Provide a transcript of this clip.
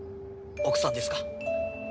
奥さんですか？